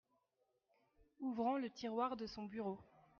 Ouvrant le tiroir de son bureau.